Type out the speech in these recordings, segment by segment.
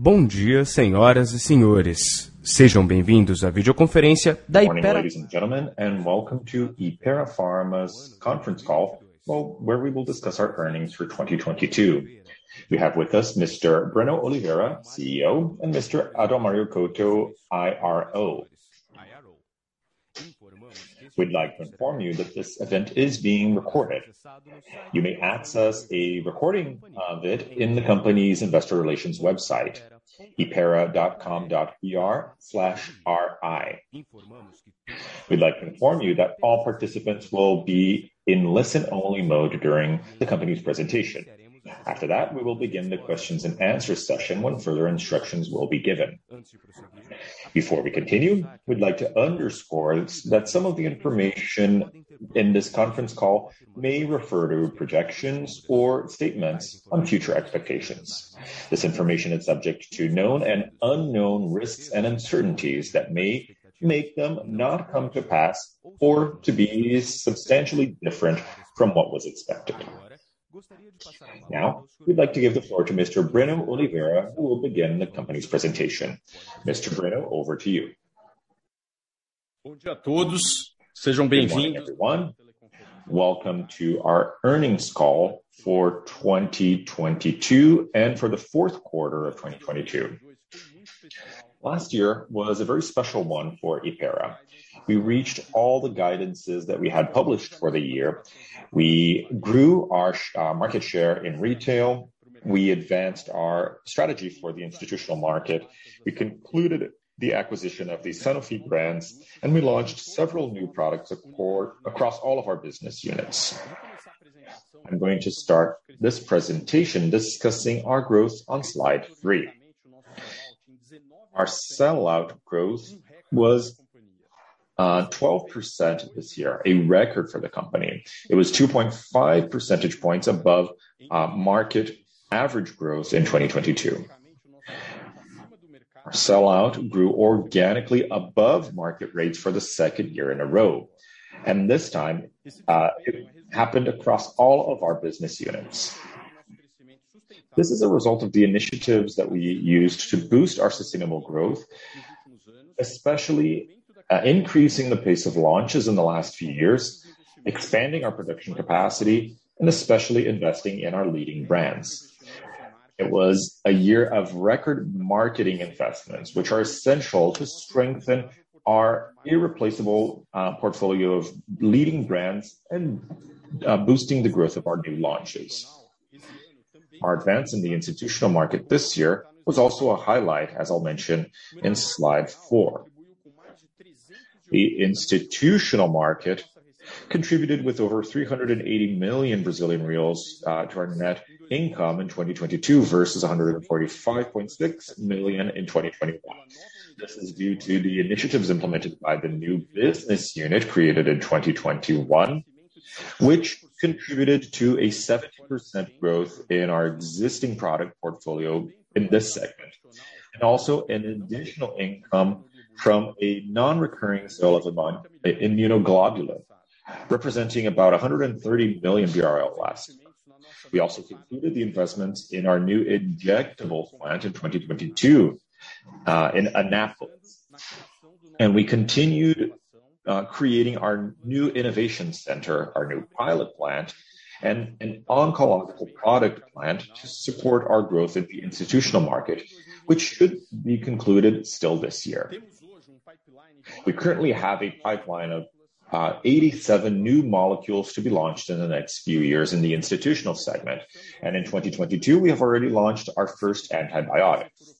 Bom dia, senhoras e senhores. Sejam bem-vindos à videoconferência. Good morning, ladies and gentlemen, and welcome to Hypera Pharma's conference call, where we will discuss our earnings for 2022. We have with us Mr. Breno Oliveira, CEO, and Mr. Adalmario Couto, IRO. We'd like to inform you that this event is being recorded. You may access a recording of it in the company's investor relations website, ri.hypera.com.br. We'd like to inform you that all participants will be in listen-only mode during the company's presentation. After that, we will begin the questions and answer session when further instructions will be given. Before we continue, we'd like to underscore that some of the information in this conference call may refer to projections or statements on future expectations. This information is subject to known and unknown risks and uncertainties that may make them not come to pass or to be substantially different from what was expected. We'd like to give the floor to Mr. Breno Oliveira, who will begin the company's presentation. Mr. Breno, over to you. Bom dia a todos. Sejam bem-vindos- Good morning, everyone. Welcome to our earnings call for 2022 and for the 4th quarter of 2022. Last year was a very special one for Hypera. We reached all the guidances that we had published for the year. We grew our market share in retail. We advanced our strategy for the institutional market. We concluded the acquisition of the Sanofi brands. We launched several new products across all of our business units. I'm going to start this presentation discussing our growth on slide 3. Our sell-out growth was 12% this year, a record for the company. It was 2.5 percentage points above market average growth in 2022. Our sell-out grew organically above market rates for the 2nd year in a row, and this time, it happened across all of our business units. This is a result of the initiatives that we used to boost our sustainable growth, especially increasing the pace of launches in the last few years, expanding our production capacity, and especially investing in our leading brands. It was a year of record marketing investments, which are essential to strengthen our irreplaceable portfolio of leading brands and boosting the growth of our new launches. Our advance in the institutional market this year was also a highlight, as I'll mention in slide 4. The institutional market contributed with over 380 million Brazilian reais to our net income in 2022 versus 145.6 million in 2021. This is due to the initiatives implemented by the new business unit created in 2021, which contributed to a 70% growth in our existing product portfolio in this segment, and also an additional income from a non-recurring sale of a bond, a Immunoglobulin, representing about 130 million BRL last year. We also completed the investments in our new injectable plant in 2022 in Anápolis. We continued creating our new innovation center, our new pilot plant, and an oncological product plant to support our growth in the institutional market, which should be concluded still this year. We currently have a pipeline of 87 new molecules to be launched in the next few years in the institutional segment. In 2022, we have already launched our first antibiotics,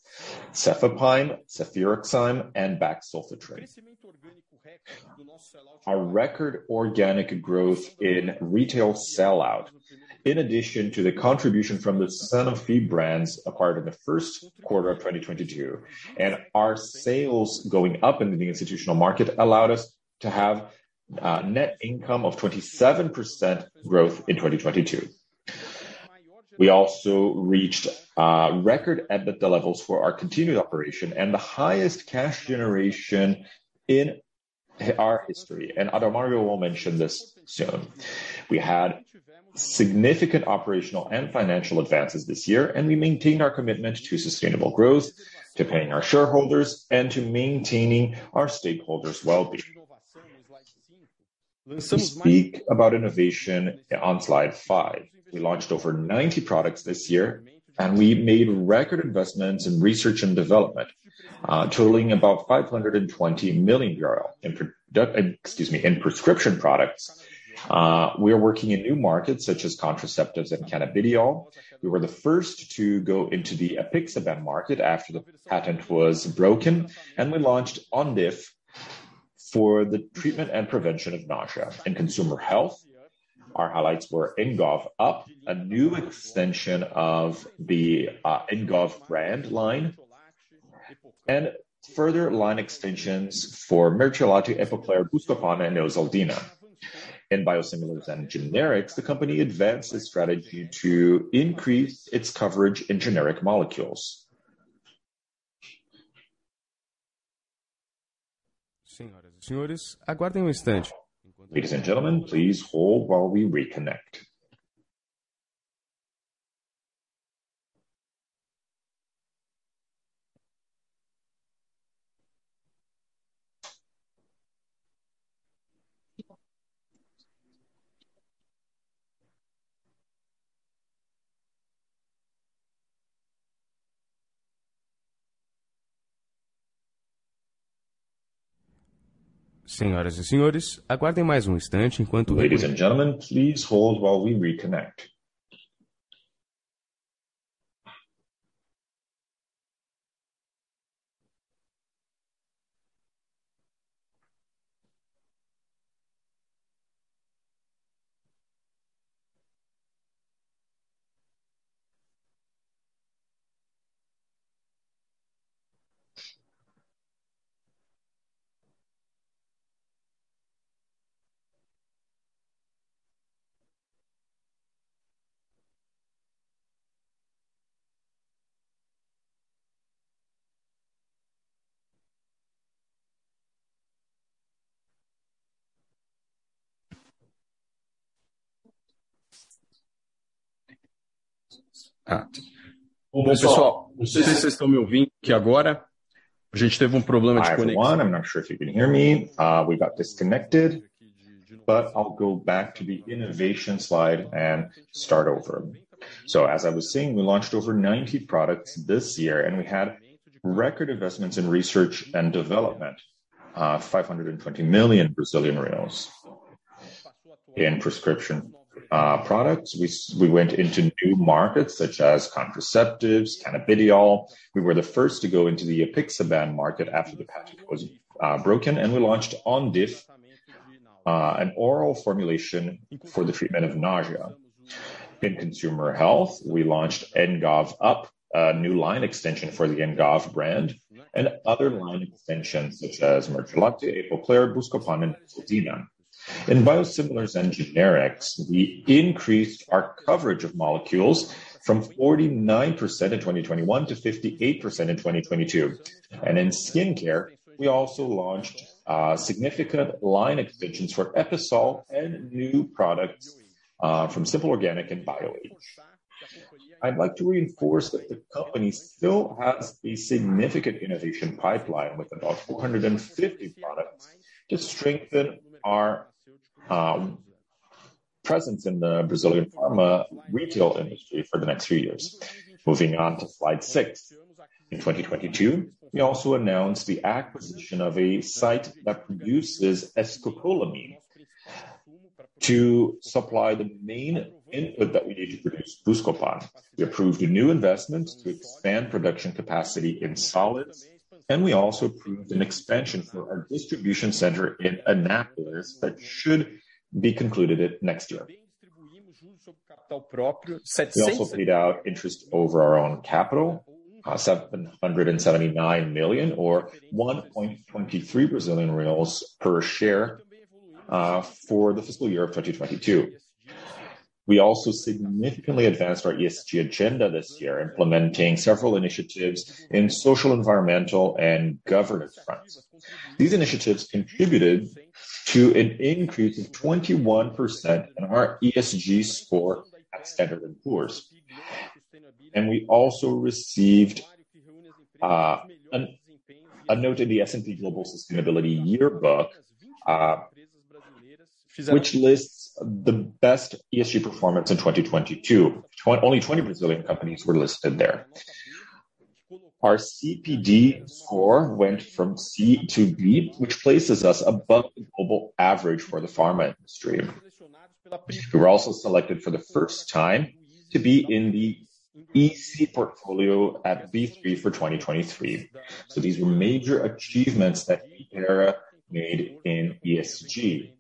Cefepime, Ceftaroline, and Bac-Sulfitrin. Our record organic growth in retail sell-out, in addition to the contribution from the Sanofi brands acquired in the Q1 of 2022, and our sales going up into the institutional market allowed us to have net income of 27% growth in 2022. We also reached record EBITDA levels for our continued operation and the highest cash generation in our history. Adalmario will mention this soon. We had significant operational and financial advances this year, and we maintained our commitment to sustainable growth, to paying our shareholders, and to maintaining our stakeholders' wellbeing. To speak about innovation on slide 5. We launched over 90 products this year, and we made record investments in research and development, totaling about BRL 520 million in prescription products. We are working in new markets such as contraceptives and cannabidiol. We were the first to go into the Apixaban market after the patent was broken. We launched Ondif for the treatment and prevention of nausea. In consumer health, our highlights were Engov Up, a new extension of the Engov brand line, and further line extensions for Merthiolate, Epocler, Buscopan, and Neosaldina. In biosimilars and generics, the company advanced its strategy to increase its coverage in generic molecules. Senhoras e senhores, aguardem um instante. Ladies and gentlemen, please hold while we reconnect. Senhoras e senhores, aguardem mais um instante. Ladies and gentlemen, please hold while we reconnect. Bom, pessoal, não sei se vocês estão me ouvindo aqui agora. A gente teve um problema de conexão. I am online. I'm not sure if you can hear me. We got disconnected, I'll go back to the innovation slide and start over. As I was saying, we launched over 90 products this year and we had record investments in research and development, 520 million Brazilian reais. In prescription products, we went into new markets such as contraceptives, Cannabidiol. We were the first to go into the Apixaban market after the patent was broken, we launched Ondif, an oral formulation for the treatment of nausea. In consumer health, we launched Engov Up, a new line extension for the Engov brand, other line extensions such as Merthiolate, Epocler, Buscopan and Neosaldina. In biosimilars and generics, we increased our coverage of molecules from 49% in 2021 to 58% in 2022. In skincare, we also launched significant line extensions for Episol and new products from Simple Organic and Bioage. I'd like to reinforce that the company still has a significant innovation pipeline with about 450 products to strengthen our presence in the Brazilian pharma retail industry for the next few years. Moving on to slide 6. In 2022, we also announced the acquisition of a site that produces scopolamine to supply the main input that we need to produce Buscopan. We approved a new investment to expand production capacity in solids, and we also approved an expansion for our distribution center in Anápolis that should be concluded at next year. We also paid out interest over our own capital, 779 million or 1.23 Brazilian reais per share, for the fiscal year of 2022. We also significantly advanced our ESG agenda this year, implementing several initiatives in social, environmental and governance fronts. These initiatives contributed to an increase of 21% in our ESG score at Standard & Poor's. We also received, a note in the S&P Global Sustainability Yearbook, which lists the best ESG performance in 2022. Only 20 Brazilian companies were listed there. Our CDP score went from C to B, which places us above the global average for the pharma industry. We were also selected for the first time to be in the ISE portfolio at B3 for 2023. These were major achievements that Hypera made in ESG.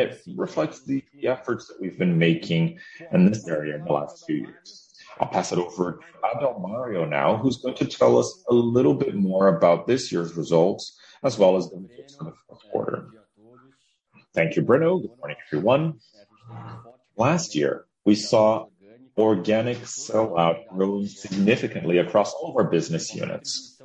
It reflects the efforts that we've been making in this area in the last few years. I'll pass it over to Adalmario now, who's going to tell us a little bit more about this year's results as well as the results for the Q4. Thank you, Breno. Good morning, everyone. Last year, we saw organic sell-out grow significantly across all of our business units.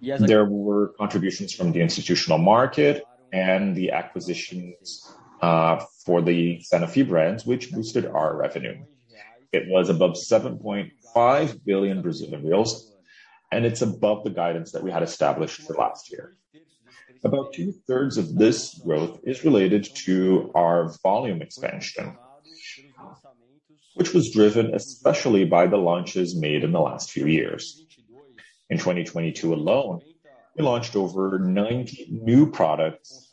There were contributions from the institutional market and the acquisitions for the Sanofi brands, which boosted our revenue. It was above 7.5 billion Brazilian reais, and it's above the guidance that we had established for last year. About two-thirds of this growth is related to our volume expansion, which was driven especially by the launches made in the last few years. In 2022 alone, we launched over 90 new products,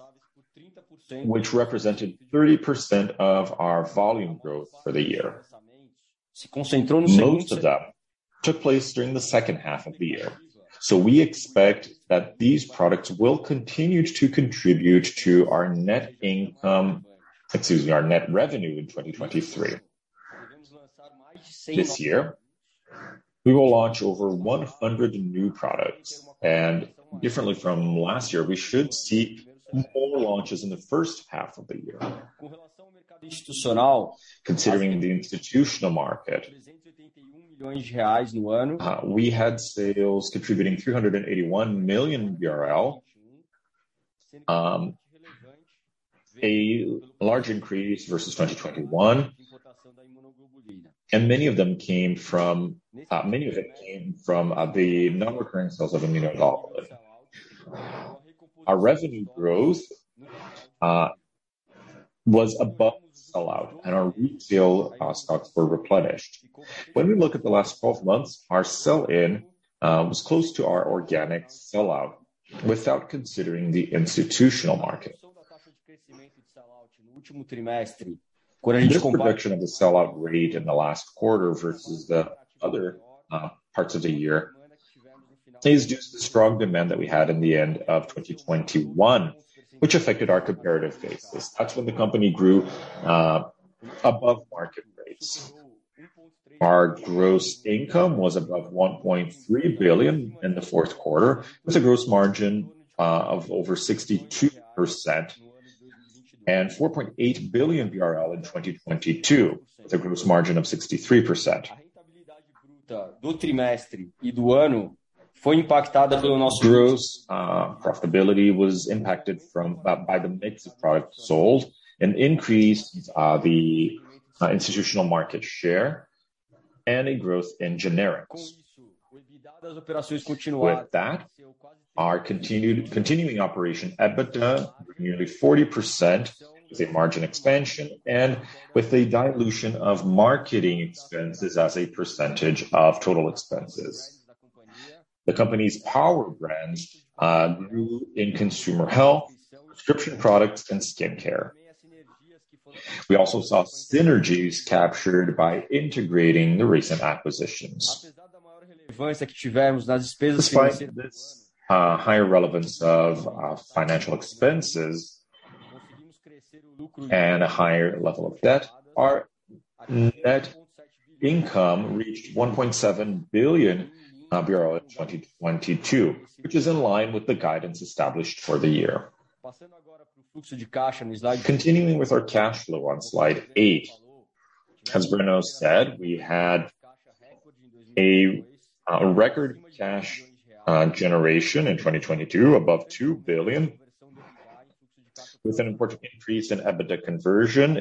which represented 30% of our volume growth for the year. Most of them took place during the second half of the year. We expect that these products will continue to contribute to our net income, excuse me, our net revenue in 2023. This year, we will launch over 100 new products, and differently from last year, we should see more launches in the first half of the year. Considering the institutional market, we had sales contributing 381 million. A large increase versus 2021. Many of them came from the non-recurring sales of immunoglobulin. Our revenue growth was above sell-out, and our retail stocks were replenished. When we look at the last 12 months, our sell-in was close to our organic sell-out without considering the institutional market. This reduction of the sell-out rate in the last quarter versus the other parts of the year is due to the strong demand that we had in the end of 2021, which affected our comparative basis. That's when the company grew above market rates. Our gross income was above 1.3 billion in the Q4, with a gross margin of over 62% and 4.8 billion BRL in 2022, with a gross margin of 63%. Gross profitability was impacted by the mix of products sold and increased the institutional market share and a growth in generics. With that, our continuing operation EBITDA, nearly 40% with a margin expansion and with a dilution of marketing expenses as a percentage of total expenses. The company's power brands grew in consumer health, prescription products and skincare. We also saw synergies captured by integrating the recent acquisitions. Despite this, higher relevance of financial expenses and a higher level of debt, our net income reached 1.7 billion in 2022, which is in line with the guidance established for the year. Continuing with our cash flow on slide 8, as Breno said, we had a record cash generation in 2022 above 2 billion, with an important increase in EBITDA conversion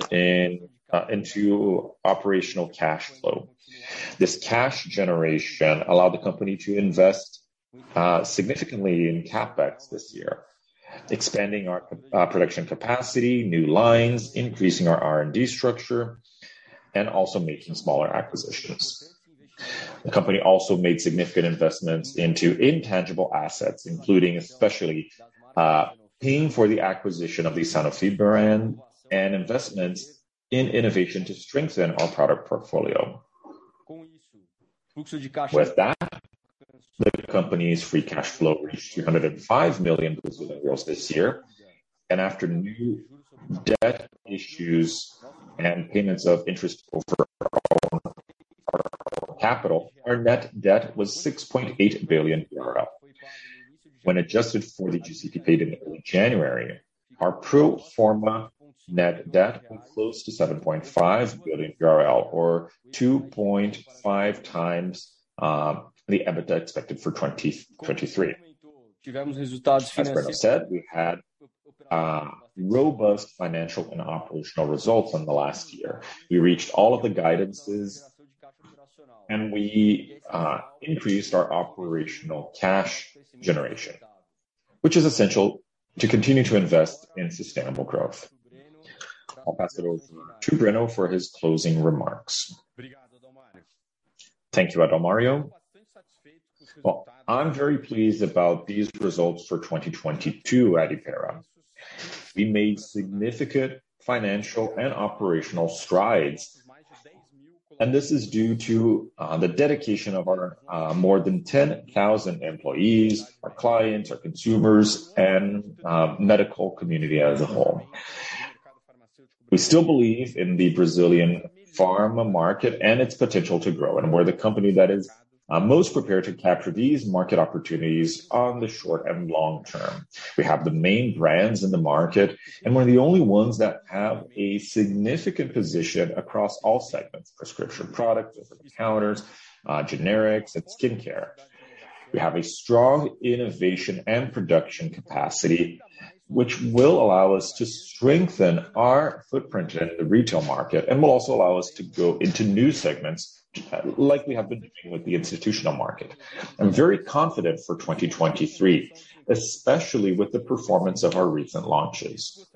into operational cash flow. This cash generation allowed the company to invest significantly in CapEx this year, expanding our production capacity, new lines, increasing our R&D structure, and also making smaller acquisitions. The company also made significant investments into intangible assets, including especially paying for the acquisition of the Sanofi brand and investments in innovation to strengthen our product portfolio. The company's free cash flow reached BRL 205 million this year, and after new debt issues and payments of interest over our own capital, our net debt was BRL 6.8 billion. When adjusted for the JCP paid in early January, our pro forma net debt came close to 7.5 billion or 2.5x the EBITDA expected for 2023. As Breno said, we had robust financial and operational results on the last year. We reached all of the guidances, and we increased our operational cash generation, which is essential to continue to invest in sustainable growth. I'll pass it over to Breno for his closing remarks. Thank you, Adalmario. Well, I'm very pleased about these results for 2022 at Hypera. We made significant financial and operational strides, and this is due to the dedication of our more than 10,000 employees, our clients, our consumers, and medical community as a whole. We still believe in the Brazilian pharma market and its potential to grow, and we're the company that is most prepared to capture these market opportunities on the short and long term. We have the main brands in the market, and we're the only ones that have a significant position across all segments, prescription products, over-the-counters, generics, and skincare. We have a strong innovation and production capacity, which will allow us to strengthen our footprint in the retail market and will also allow us to go into new segments like we have been doing with the institutional market. I'm very confident for 2023, especially with the performance of our recent launches.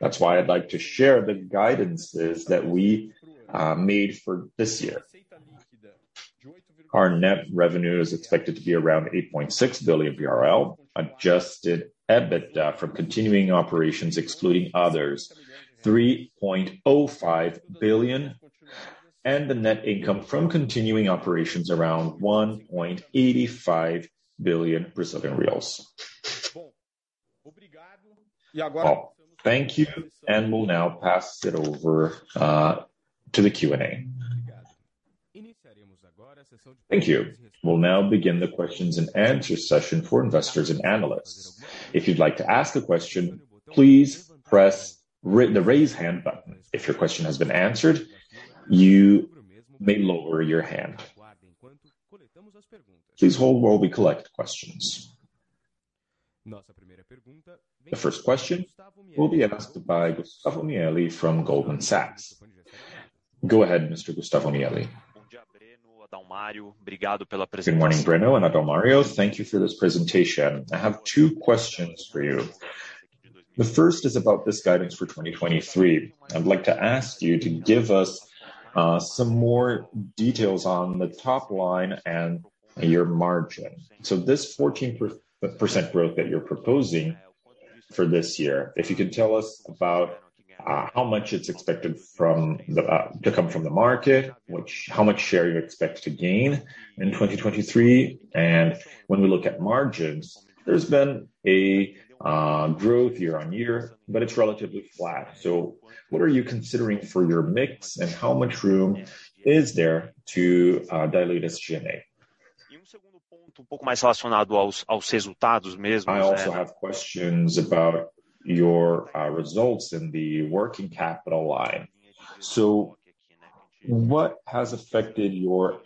That's why I'd like to share the guidances that we made for this year. Our net revenue is expected to be around 8.6 billion BRL, adjusted EBITDA from continuing operations, excluding others, 3.05 billion, and the net income from continuing operations around 1.85 billion Brazilian reais. Well, thank you. We'll now pass it over to the Q&A. Thank you. We'll now begin the questions and answers session for investors and analysts. If you'd like to ask a question, please press the raise hand button. If your question has been answered, you may lower your hand. Please hold while we collect questions. The first question will be asked by Gustavo Miele from Goldman Sachs. Go ahead, Mr. Gustavo Miele. Good morning, Breno and Adalmario. Thank you for this presentation. I have two questions for you. The first is about this guidance for 2023. I'd like to ask you to give us some more details on the top line and your margin. This 14% growth that you're proposing for this year, if you could tell us about how much it's expected to come from the market, how much share you expect to gain in 2023. When we look at margins, there's been a growth year-on-year, but it's relatively flat. What are you considering for your mix, and how much room is there to dilute SG&A? I also have questions about your results in the working capital line. What has affected your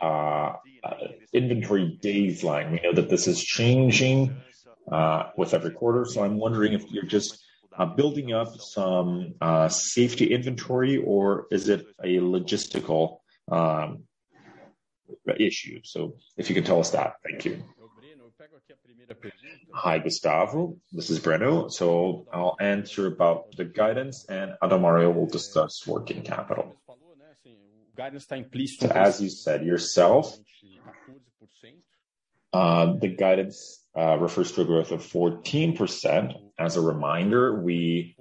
inventory days line? We know that this is changing with every quarter. I'm wondering if you're just building up some safety inventory, or is it a logistical issue. If you could tell us that. Thank you. Hi, Gustavo. This is Breno. I'll answer about the guidance, and Adalmario will discuss working capital. As you said yourself, the guidance refers to a growth of 14%. As a reminder, we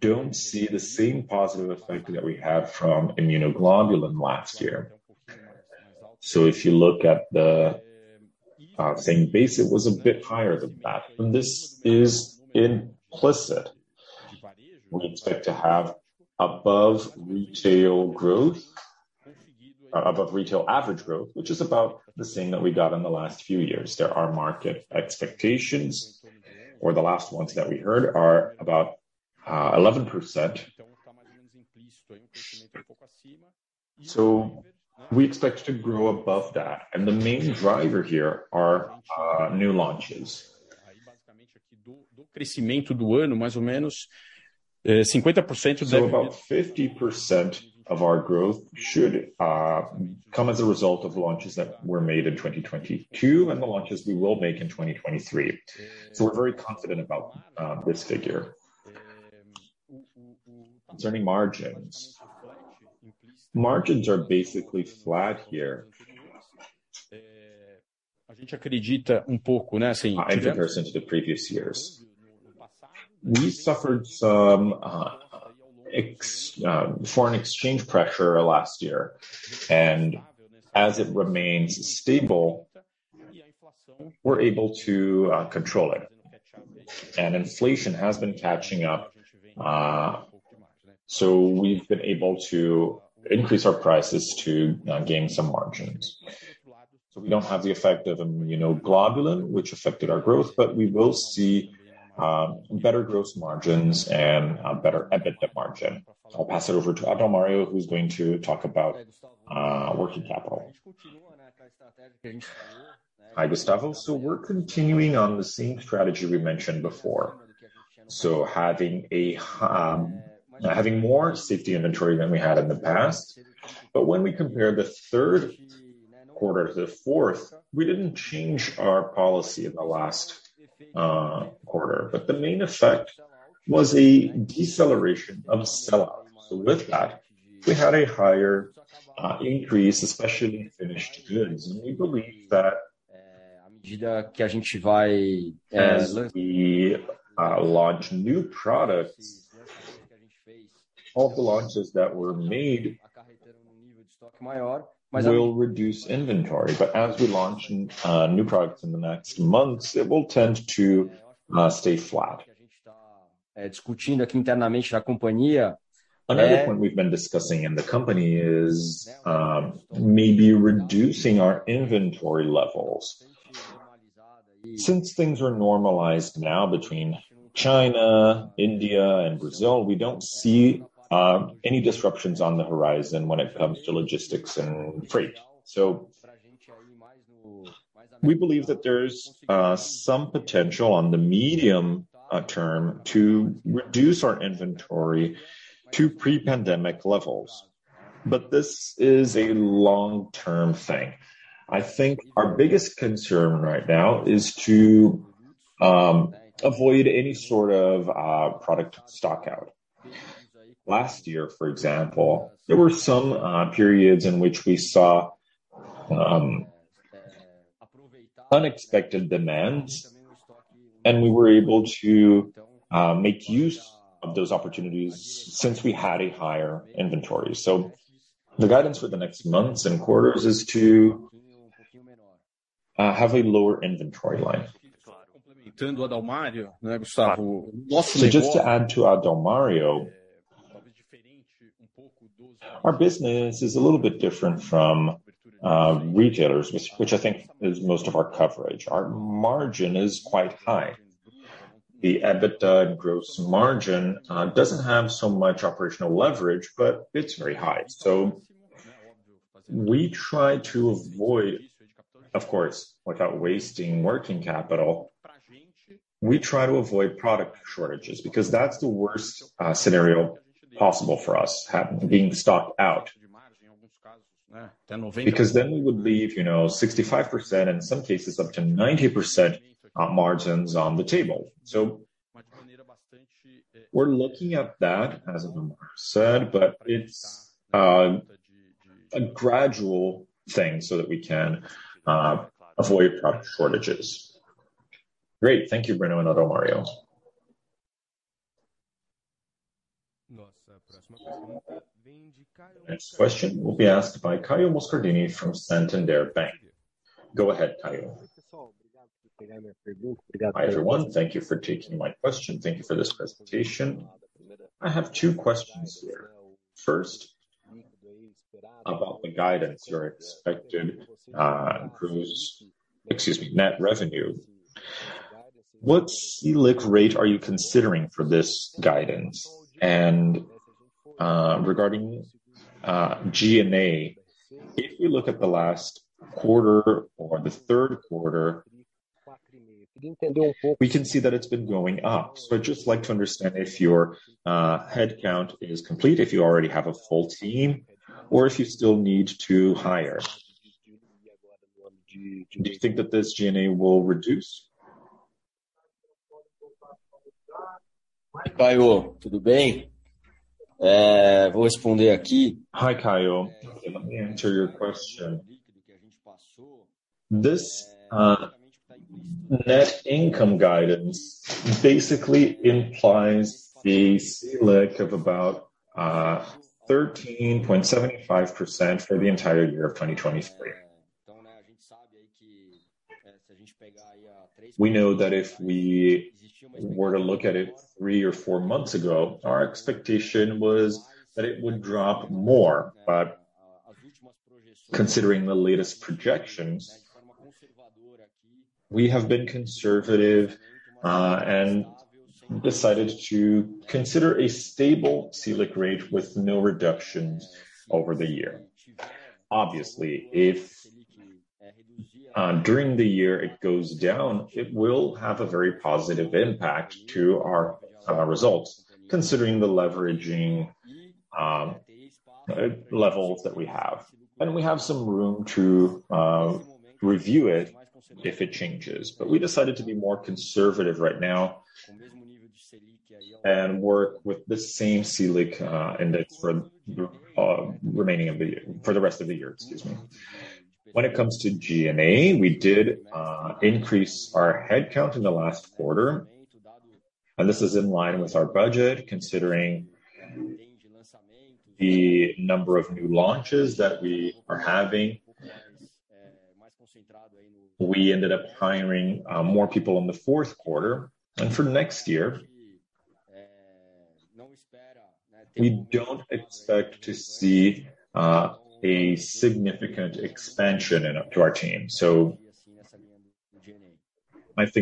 don't see the same positive effect that we had from immunoglobulin last year. If you look at the same base, it was a bit higher than that. This is implicit. We expect to have above retail growth, above retail average growth, which is about the same that we got in the last few years. There are market expectations, or the last ones that we heard are about 11%. We expect to grow above that. The main driver here are new launches. About 50% of our growth should come as a result of launches that were made in 2022 and the launches we will make in 2023. We're very confident about this figure. Concerning margins. Margins are basically flat here in comparison to the previous years. We suffered some foreign exchange pressure last year, and as it remains stable, we're able to control it. Inflation has been catching up, so we've been able to increase our prices to gain some margins. We don't have the effect of immunoglobulin, which affected our growth, but we will see better gross margins and a better EBITDA margin. I'll pass it over to Adalmario, who's going to talk about working capital. Hi, Gustavo. We're continuing on the same strategy we mentioned before. Having more safety inventory than we had in the past. When we compare the third quarter to the fourth, we didn't change our policy in the last quarter. The main effect was a deceleration of sellout. With that, we had a higher increase, especially in finished goods. We believe that as we launch new products, all the launches that were made will reduce inventory. As we launch new products in the next months, it will tend to stay flat. Another point we've been discussing in the company is maybe reducing our inventory levels. Since things are normalized now between China, India and Brazil, we don't see any disruptions on the horizon when it comes to logistics and freight. We believe that there's some potential on the medium term to reduce our inventory to pre-pandemic levels. This is a long-term thing. I think our biggest concern right now is to avoid any sort of product stock out. Last year, for example, there were some periods in which we saw unexpected demands, and we were able to make use of those opportunities since we had a higher inventory. The guidance for the next months and quarters is to have a lower inventory line. Just to add to Adalmario. Our business is a little bit different from retailers, which I think is most of our coverage. Our margin is quite high. The EBITDA gross margin doesn't have so much operational leverage, but it's very high. We try to avoid, of course, without wasting working capital, we try to avoid product shortages because that's the worst scenario possible for us, being stocked out. We would leave, you know, 65%, in some cases, up to 90%, margins on the table. We're looking at that, as Domário said, but it's a gradual thing so that we can avoid product shortages. Great. Thank you, Breno and Adalmario. Next question will be asked by Caio Moscardini from Santander Bank. Go ahead, Caio. Hi, everyone. Thank you for taking my question. Thank you for this presentation. I have 2 questions here. First, about the guidance or expected net revenue. What Selic rate are you considering for this guidance? Regarding G&A, if we look at the last quarter or the 3rd quarter, we can see that it's been going up. I'd just like to understand if your headcount is complete, if you already have a full team, or if you still need to hire. Do you think that this G&A will reduce? Hi, Caio. Let me answer your question. This net income guidance basically implies a Selic of about 13.75% for the entire year of 2023. We know that if we were to look at it 3 or 4 months ago, our expectation was that it would drop more. Considering the latest projections, we have been conservative and decided to consider a stable Selic rate with no reductions over the year. Obviously, if during the year it goes down, it will have a very positive impact to our results, considering the leveraging levels that we have. We have some room to review it if it changes. We decided to be more conservative right now and work with the same Selic index for the rest of the year, excuse me. When it comes to G&A, we did increase our headcount in the last quarter. This is in line with our budget, considering the number of new launches that we are having. We ended up hiring more people in the Q4. For next year, we don't expect to see a significant expansion to our team.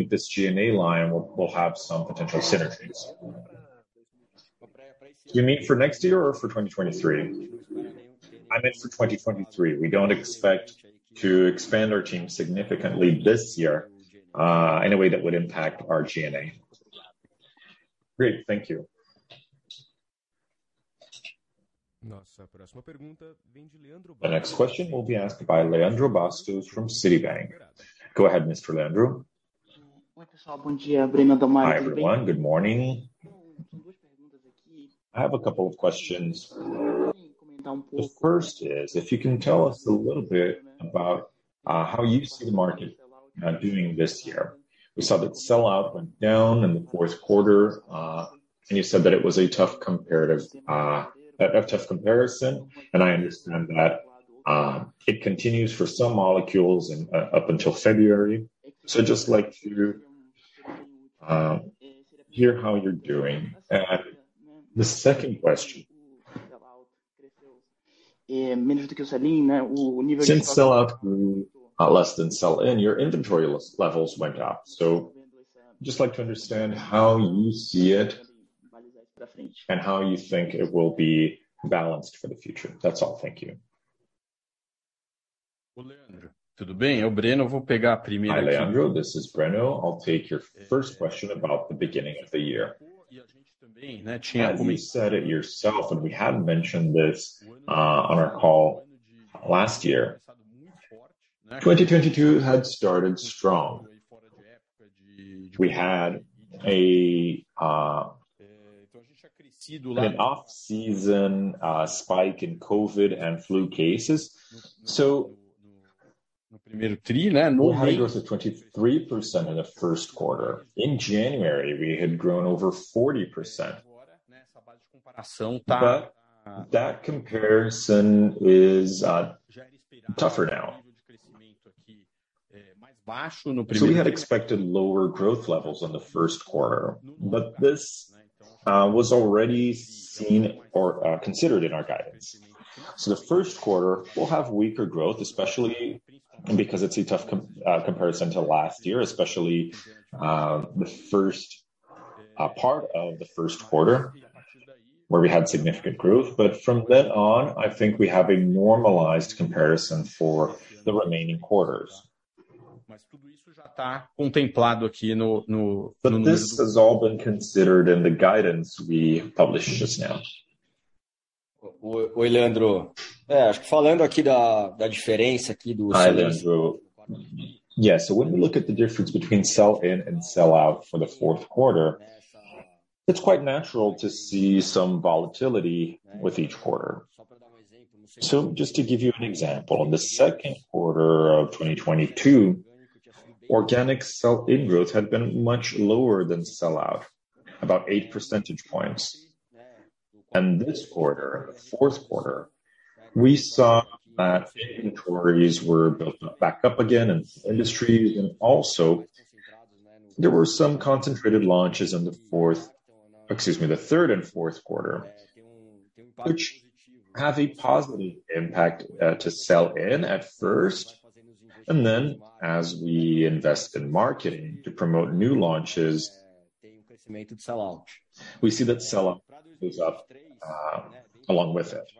This G&A line will have some potential synergies. You mean for next year or for 2023? I meant for 2023. We don't expect to expand our team significantly this year, in a way that would impact our G&A. Great. Thank you. The next question will be asked by Leandro Bastos from Citibank. Go ahead, Mr. Leandro. Hi, everyone. Good morning. I have a couple of questions. The first is, if you can tell us a little bit about how you see the market doing this year. We saw that sell out went down in the Q4. You said that it was a tough comparison, and I understand that it continues for some molecules up until February. I'd just like to hear how you're doing. The second question. Since sell out grew less than sell in, your inventory levels went up. Just like to understand how you see it and how you think it will be balanced for the future. That's all. Thank you. Hi, Leandro. This is Breno. I'll take your first question about the beginning of the year. As you said it yourself, we had mentioned this on our call last year, 2022 had started strong. We had an off-season spike in COVID and flu cases. Overall growth of 23% in the Q1. In January, we had grown over 40%. That comparison is tougher now. We had expected lower growth levels on the Q1, but this was already seen or considered in our guidance. The Q1 will have weaker growth, especially because it's a tough comparison to last year, especially the first part of the Q1 where we had significant growth. From then on, we have a normalized comparison for the remaining quarters. This has all been considered in the guidance we published just now. Oi, Leandro. Acho que falando aqui da diferença aqui. Hi, Leandro. Yes. When we look at the difference between sell-in and sell-out for the 4th quarter, it's quite natural to see some volatility with each quarter. Just to give you an example, in the 2nd quarter of 2022, organic sell-in growth had been much lower than sell-out, about 8 percentage points. This quarter, the 4th quater, we saw that inventories were built up back up again in industries. Also there were some concentrated launches in excuse me, the 3rd and 4th quarter, which have a positive impact to sell-in at first, and then as we invest in marketing to promote new launches, we see that sell-out goes up along with it.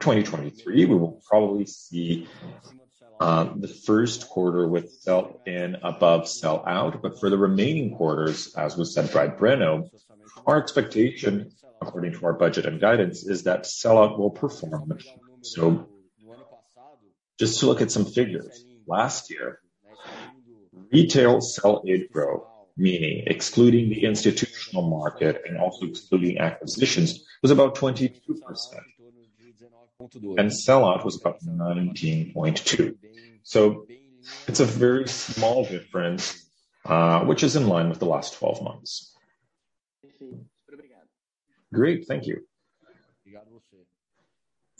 2023, we will probably see the 1st quarter with sell-in above sell-out. For the remaining quarters, as was said by Breno, our expectation according to our budget and guidance is that sell-out will perform. Just to look at some figures. Last year, retail sell-in growth, meaning excluding the institutional market and also excluding acquisitions, was about 22%. Sell-out was about 19.2%. It's a very small difference, which is in line with the last 12 months. Sim. Obrigado. Great. Thank you. Obrigado você.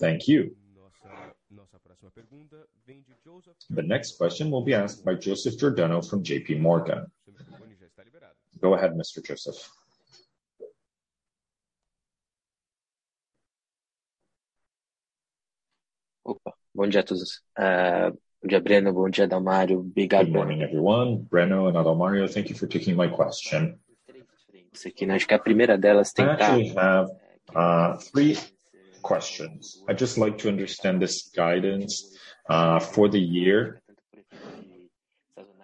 Thank you. Nossa, nossa próxima pergunta vem de Joseph. The next question will be asked by Joseph Giordano from J.P. Morgan. Seu microfone já está liberado. Go ahead, Mr. Joseph. Opa. Bom dia a todos. Bom dia, Breno. Bom dia, Adalmario. Good morning, everyone. Breno and Adalmario, thank you for taking my question. Acho que a primeira delas. I actually have three questions. I'd just like to understand this guidance for the year.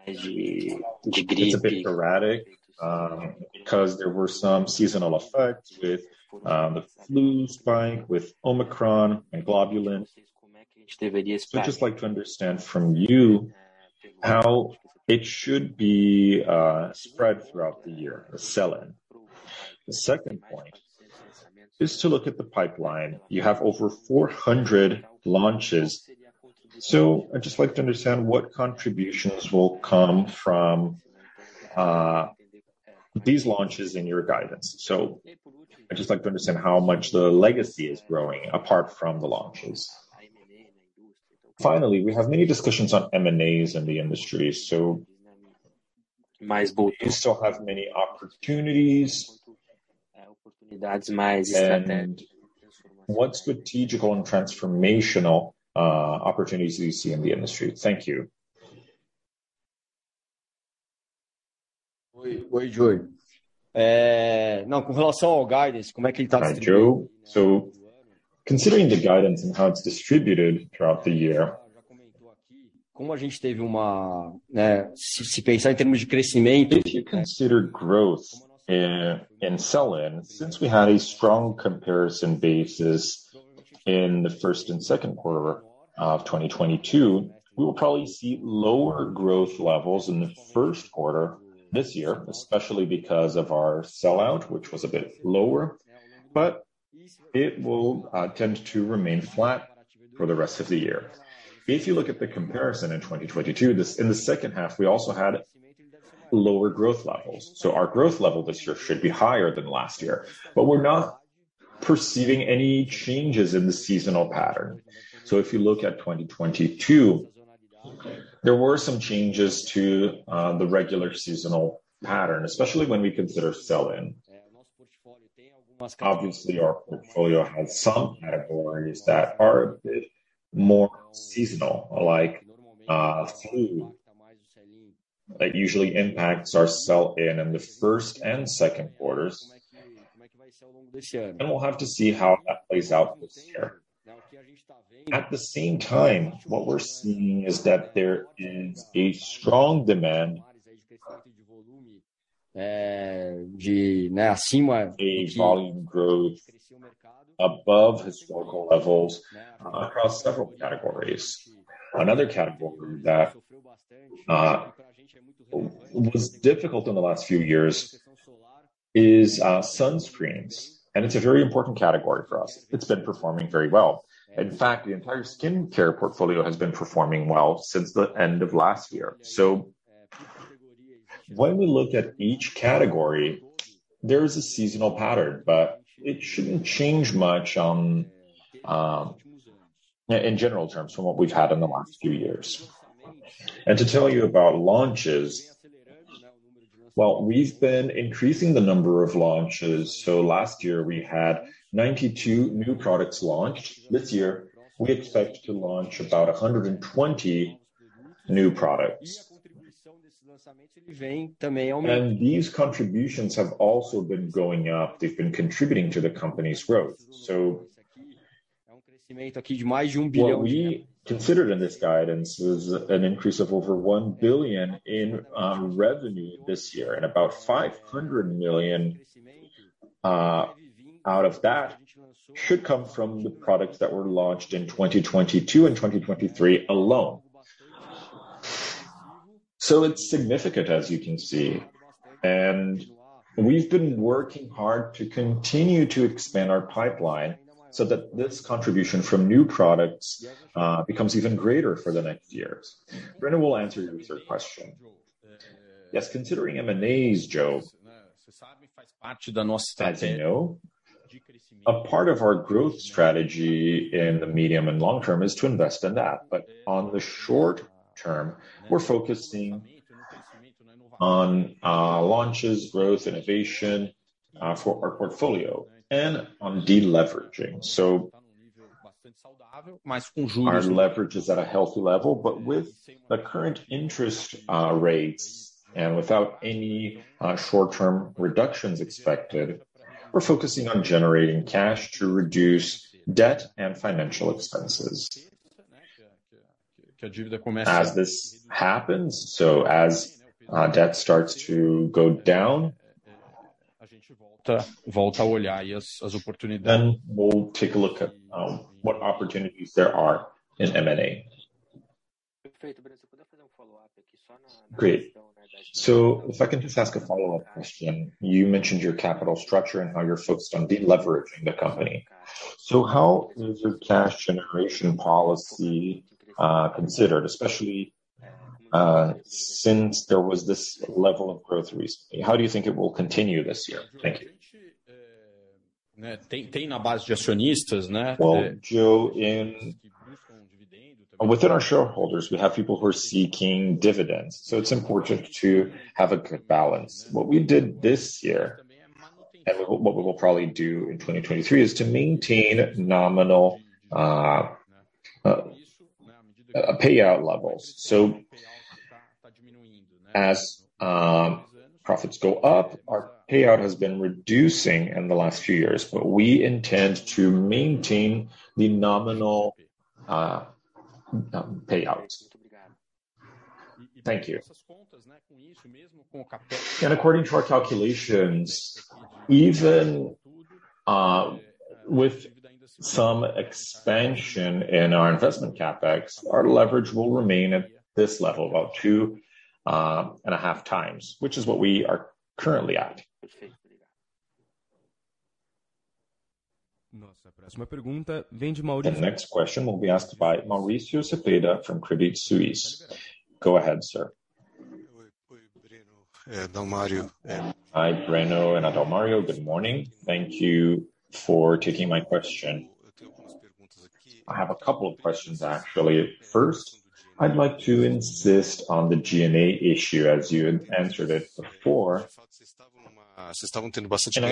Tanto por esse, essas ondas de gripe. It's a bit erratic because there were some seasonal effects with the flu spike with Omicron and globulin. I'd just like to understand from you how it should be spread throughout the year, the sell-in. The second point is to look at the pipeline. You have over 400 launches. I'd just like to understand what contributions will come from these launches in your guidance. I'd just like to understand how much the legacy is growing apart from the launches. Finally, we have many discussions on M&As in the industry. Do you still have many opportunities? What strategical and transformational opportunities do you see in the industry? Thank you. Oi, oi Joe. Não, com relação ao guidance, como é que ele tá-? Hi, Joe. Considering the guidance and how it's distributed throughout the year. Já comentou aqui, como a gente teve uma, né, se pensar em termos de crescimento. If you consider growth in sell-in, since we had a strong comparison basis in the first and Q2 of 2022, we will probably see lower growth levels in the Q1 this year, especially because of our sell-out, which was a bit lower, but it will tend to remain flat for the rest of the year. If you look at the comparison in 2022, in the second half, we also had lower growth levels. Our growth level this year should be higher than last year, but we're not perceiving any changes in the seasonal pattern. If you look at 2022, there were some changes to the regular seasonal pattern, especially when we consider sell-in. Obviously, our portfolio has some categories that are a bit more seasonal, like flu that usually impacts our sell-in in the first and second quarters. We'll have to see how that plays out this year. At the same time, what we're seeing is that there is a strong demand, a volume growth above historical levels across several categories. Another category that was difficult in the last few years is sunscreens, and it's a very important category for us. It's been performing very well. In fact, the entire skincare portfolio has been performing well since the end of last year. When we look at each category, there is a seasonal pattern, but it shouldn't change much on in general terms from what we've had in the last few years. To tell you about launches, well, we've been increasing the number of launches. Last year we had 92 new products launched. This year, we expect to launch about 120 new products. These contributions have also been going up. They've been contributing to the company's growth. What we considered in this guidance is an increase of over 1 billion in revenue this year. About 500 million out of that should come from the products that were launched in 2022 and 2023 alone. It's significant, as you can see. We've been working hard to continue to expand our pipeline so that this contribution from new products becomes even greater for the next years. Breno will answer your third question. Considering M&As, Joe, as you know, a part of our growth strategy in the medium and long term is to invest in that. On the short term, we're focusing on launches, growth, innovation for our portfolio and on deleveraging. Our leverage is at a healthy level, but with the current interest rates and without any short-term reductions expected, we're focusing on generating cash to reduce debt and financial expenses. As this happens, so as debt starts to go down, then we'll take a look at what opportunities there are in M&A. Great. If I can just ask a follow-up question. You mentioned your capital structure and how you're focused on deleveraging the company. How is your cash generation policy considered, especially since there was this level of growth recently? How do you think it will continue this year? Thank you. Joe, within our shareholders, we have people who are seeking dividends, so it's important to have a good balance. What we did this year, what we will probably do in 2023, is to maintain nominal payout levels. As profits go up, our payout has been reducing in the last few years, but we intend to maintain the nominal payouts. Thank you. According to our calculations, even with some expansion in our investment CapEx, our leverage will remain at this level, about 2 and a half times, which is what we are currently at. The next question will be asked by Mauricio Cepeda from Credit Suisse. Go ahead, sir. Hi, Breno and Adalmario. Good morning. Thank you for taking my question. I have a couple of questions, actually. First, I'd like to insist on the G&A issue as you had answered it before. I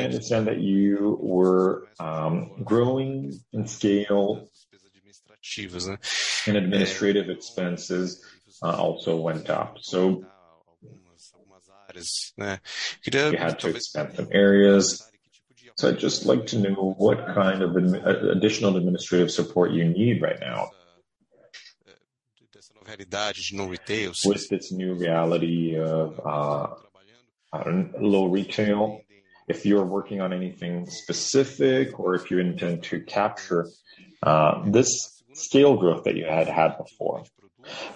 understand that you were growing in scale and administrative expenses also went up. You had to expand some areas. I'd just like to know what kind of additional administrative support you need right now, with its new reality of low retail, if you're working on anything specific or if you intend to capture this scale growth that you had had before.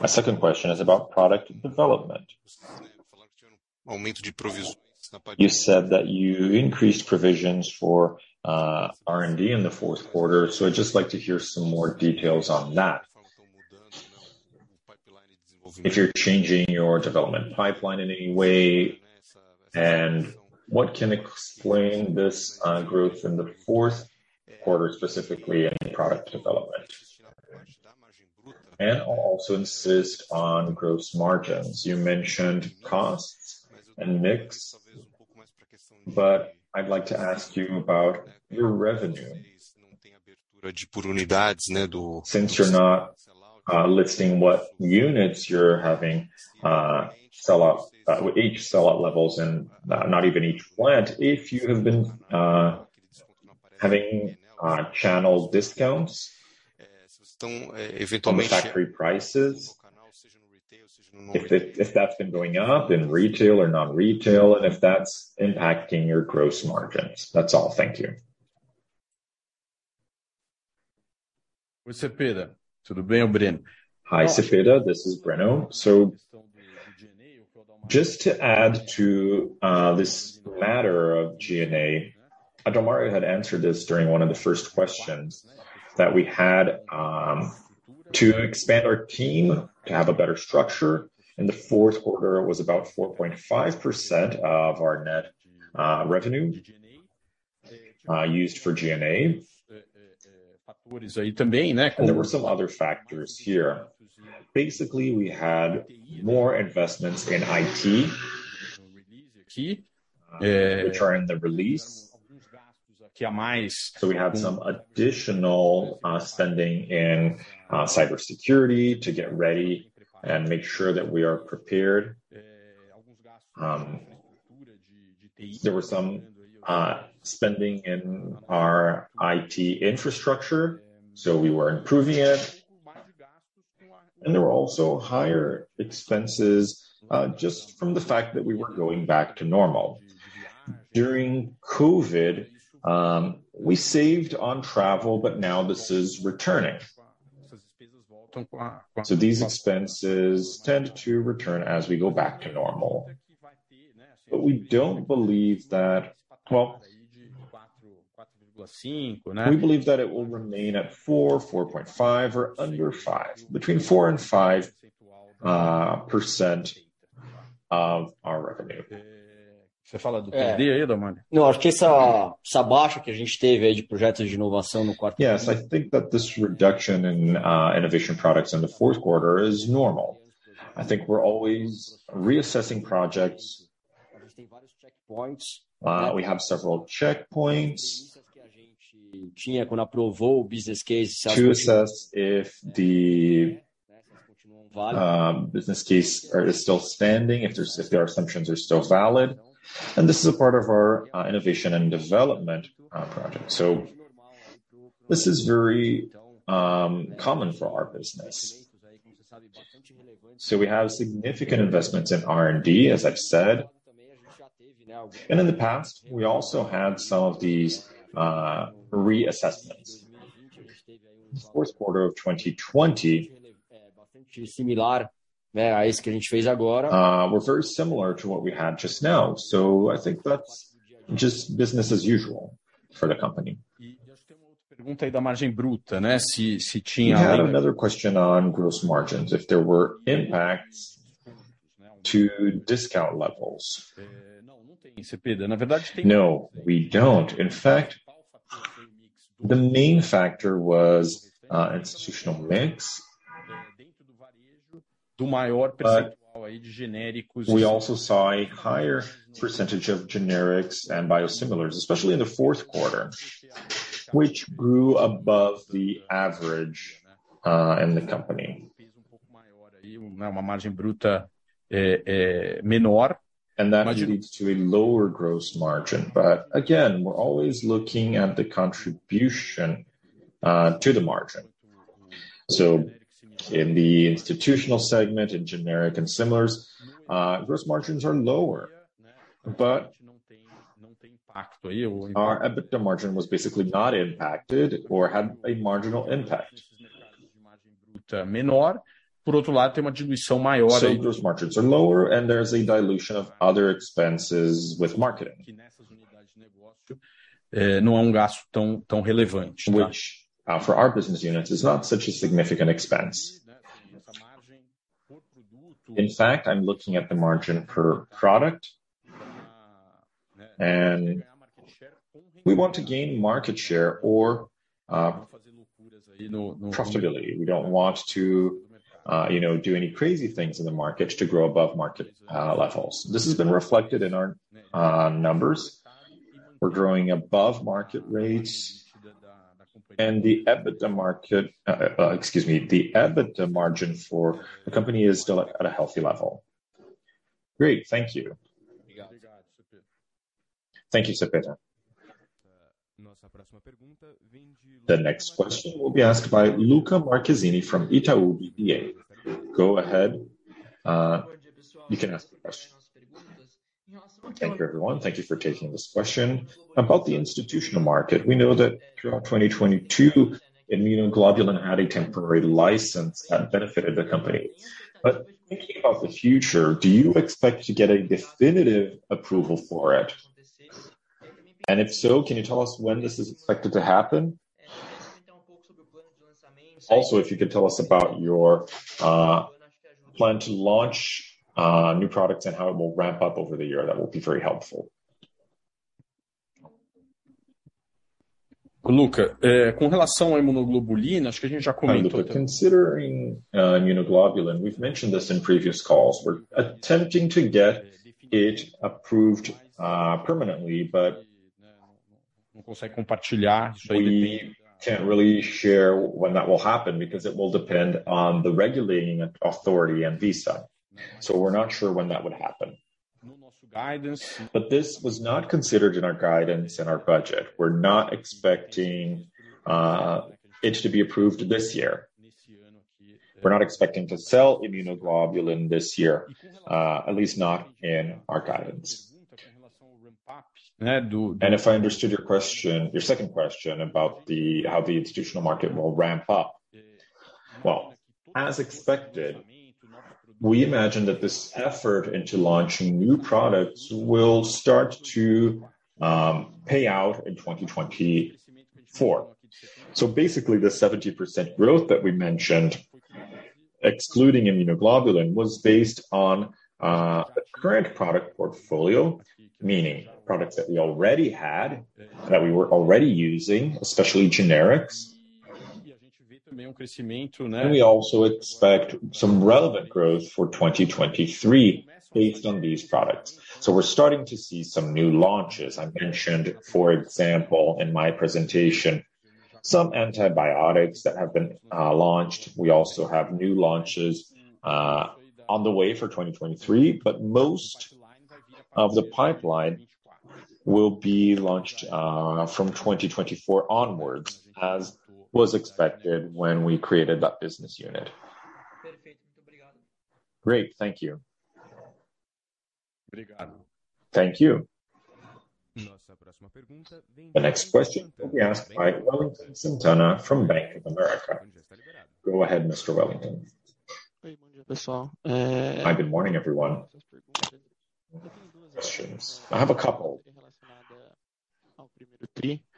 My second question is about product development. You said that you increased provisions for R&D in the Q4, I'd just like to hear some more details on that. If you're changing your development pipeline in any way, and what can explain this growth in the Q4, specifically in product development. I'll also insist on gross margins. You mentioned costs and mix, but I'd like to ask you about your revenue. Since you're not listing what units you're having, each sell out levels and not even each plant, if you have been having channel discounts on the factory prices, if that's been going up in retail or non-retail, and if that's impacting your gross margins. That's all. Thank you. Hi, Cepeda. This is Breno. Just to add to this matter of G&A, Adalmario had answered this during one of the first questions that we had. To expand our team to have a better structure. In the Q4, it was about 4.5% of our net revenue used for G&A. There were some other factors here. Basically, we had more investments in IT, which are in the release. We had some additional spending in cybersecurity to get ready and make sure that we are prepared. There were some spending in our IT infrastructure, so we were improving it. There were also higher expenses just from the fact that we were going back to normal. During COVID, we saved on travel, but now this is returning. These expenses tend to return as we go back to normal. Well, we believe that it will remain at 4%, 4.5% or under 5%. Between 4% and 5% of our revenue. That this reduction in innovation products in the Q4 is normal. I think we're always reassessing projects. We have several checkpoints to assess if the business case is still standing, if their assumptions are still valid. This is a part of our innovation and development project. This is very common for our business. We have significant investments in R&D, as I've said. In the past, we also had some of these reassessments. The Q4 of 2020 were very similar to what we had just now. That's just business as usual for the company. We have another question on gross margins. If there were impacts to discount levels. No, we don't. In fact, the main factor was institutional mix. We also saw a higher % of generics and biosimilars, especially in the Q4, which grew above the average in the company. That leads to a lower gross margin. Again, we're always looking at the contribution to the margin. In the institutional segment, in generic and similars, gross margins are lower. Our EBITDA margin was basically not impacted or had a marginal impact. Gross margins are lower, and there's a dilution of other expenses with marketing. Which, for our business units is not such a significant expense. In fact, I'm looking at the margin per product. We want to gain market share or profitability. We don't want to, you know, do any crazy things in the market to grow above market levels. This has been reflected in our numbers. We're growing above market rates. The EBITDA margin for the company is still at a healthy level. Great. Thank you. Thank you, Cepeda. The next question will be asked by Luca Cipiccia from Itaú BBA. Go ahead. You can ask the question. Thank you, everyone. Thank you for taking this question. About the institutional market, we know that throughout 2022, immunoglobulin had a temporary license that benefited the company. Thinking about the future, do you expect to get a definitive approval for it? If so, can you tell us when this is expected to happen? Also, if you could tell us about your plan to launch new products and how it will ramp up over the year, that will be very helpful. Luca, considering immunoglobulin, we've mentioned this in previous calls. We're attempting to get it approved permanently, but we can't really share when that will happen because it will depend on the regulating authority and ANVISA. We're not sure when that would happen. This was not considered in our guidance, in our budget. We're not expecting it to be approved this year. We're not expecting to sell immunoglobulin this year, at least not in our guidance. If I understood your question, your second question about how the institutional market will ramp up. Well, as expected. We imagine that this effort into launching new products will start to pay out in 2024. Basically, the 70% growth that we mentioned, excluding immunoglobulin, was based on the current product portfolio, meaning products that we already had, that we were already using, especially generics. We also expect some relevant growth for 2023 based on these products. We're starting to see some new launches. I mentioned for example, in my presentation, some antibiotics that have been launched. We also have new launches on the way for 2023, but most of the pipeline will be launched from 2024 onwards, as was expected when we created that business unit. Great. Thank you. Thank you. The next question will be asked by Wellington Santana from Bank of America. Go ahead, Mr. Wellington. Hi, good morning, everyone. Questions. I have a couple.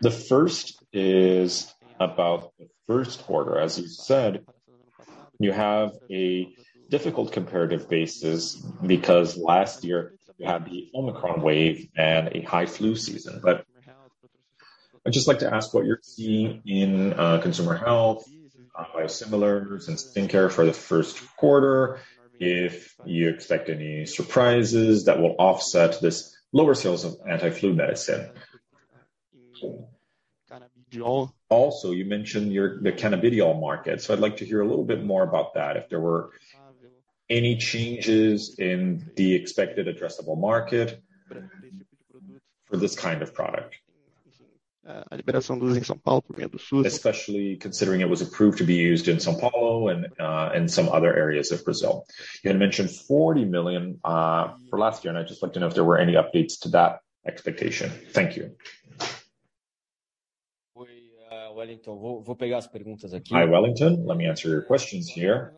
The first is about the Q1. As you said, you have a difficult comparative basis because last year you had the Omicron wave and a high flu season. I'd just like to ask what you're seeing in consumer health, biosimilars, and skin care for the Q1, if you expect any surprises that will offset this lower sales of anti-flu medicine. You mentioned the cannabidiol market, so I'd like to hear a little bit more about that. If there were any changes in the expected addressable market for this kind of product. Especially considering it was approved to be used in São Paulo and some other areas of Brazil. You had mentioned 40 million for last year, and I'd just like to know if there were any updates to that expectation. Thank you. Hi, Wellington. Let me answer your questions here.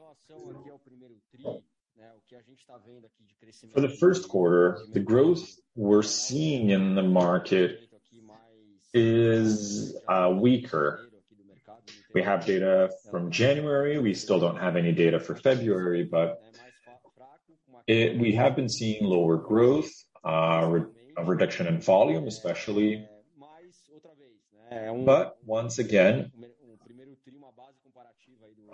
For the Q1, the growth we're seeing in the market is weaker. We have data from January. We still don't have any data for February, but we have been seeing lower growth, a reduction in volume, especially. Once again,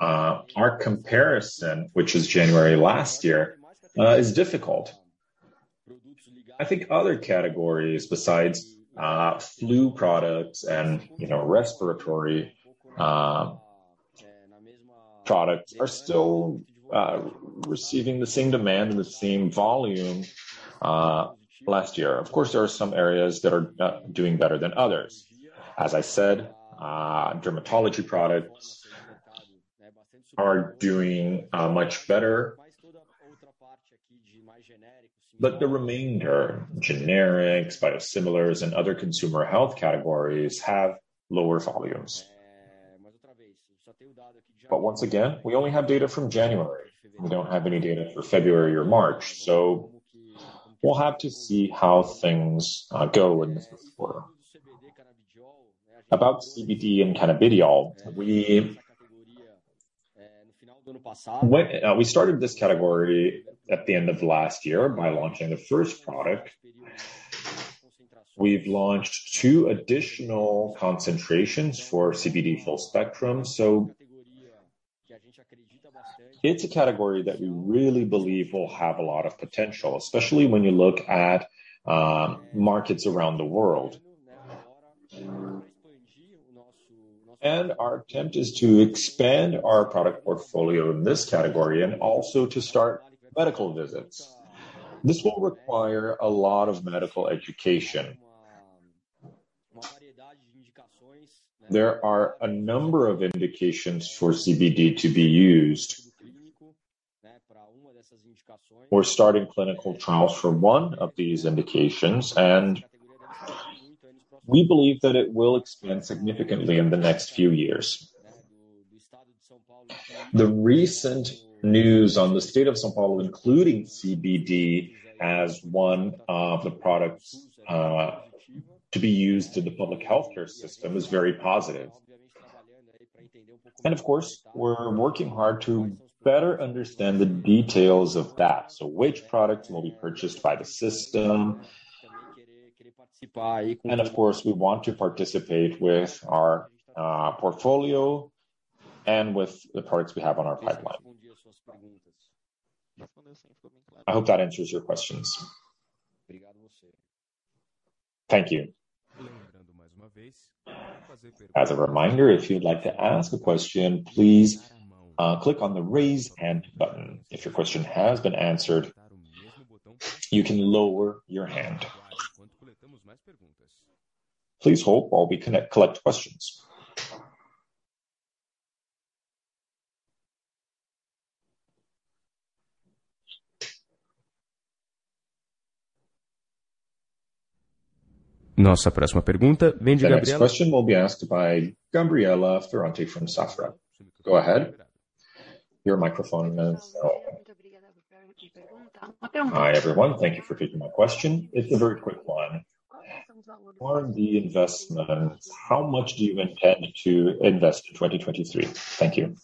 our comparison, which is January last year, is difficult. I think other categories besides flu products and respiratory products are still receiving the same demand and the same volume last year. Of course, there are some areas that are doing better than others. As I said, dermatology products are doing much better. The remainder, generics, biosimilars, and other consumer health categories have lower volumes. Once again, we only have data from January. We don't have any data for February or March, we'll have to see how things go in the Q4. About CBD and cannabidiol, we started this category at the end of last year by launching the first product. We've launched two additional concentrations for CBD full spectrum. It's a category that we really believe will have a lot of potential, especially when you look at markets around the world. Our attempt is to expand our product portfolio in this category and also to start medical visits. This will require a lot of medical education. There are a number of indications for CBD to be used. We're starting clinical trials for one of these indications, and we believe that it will expand significantly in the next few years. The recent news on the state of São Paulo, including CBD as one of the products, to be used in the public healthcare system, is very positive. Of course, we're working hard to better understand the details of that. Which products will be purchased by the system. Of course, we want to participate with our portfolio and with the products we have on our pipeline. I hope that answers your questions. Thank you. As a reminder, if you'd like to ask a question, please click on the Raise Hand button. If your question has been answered, you can lower your hand. Please hold while we collect questions. Nossa próxima pergunta vem de Gabriela. The next question will be asked by Gabriela Ferrante from Safra. Go ahead. Your microphone is on. Muito obrigada. Boa tarde. Pergunta rápida. Hi, everyone. Thank you for taking my question. It's a very quick one. R&D investment, how much do you intend to invest in 2023? Thank you.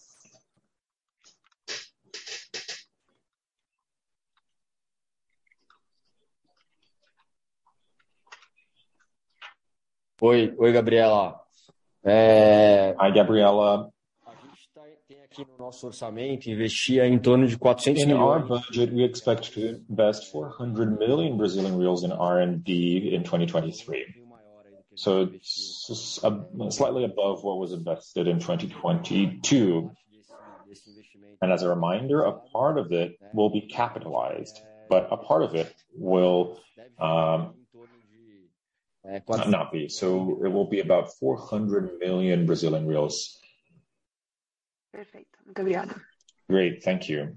Oi, oi, Gabriela. Hi, Gabriela. A gente tem aqui no nosso orçamento investir em torno de 400 million. In our budget, we expect to invest 400 million Brazilian reais in R&D in 2023. It's slightly above what was invested in 2022. As a reminder, a part of it will be capitalized, but a part of it will not be. It will be about 400 million. Perfeito. Muito obrigada. Great. Thank you.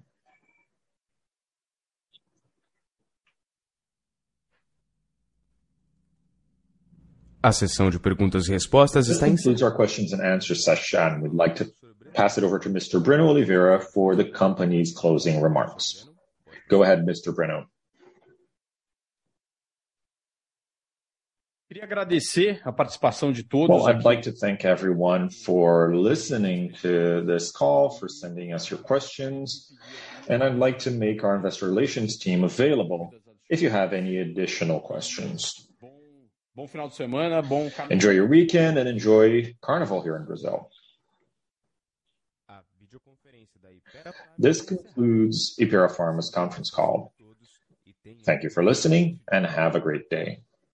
A sessão de perguntas e respostas está. This concludes our questions and answer session. We'd like to pass it over to Mr. Breno Oliveira for the company's closing remarks. Go ahead, Mr. Breno. Queria agradecer a participação de todos aqui. Well, I'd like to thank everyone for listening to this call, for sending us your questions, and I'd like to make our investor relations team available if you have any additional questions. Bom, bom final de semana, bom Carnaval. Enjoy your weekend and enjoy Carnival here in Brazil. A videoconferência da Hypera Pharma. This concludes Hypera Pharma's conference call. Thank you for listening, and have a great day.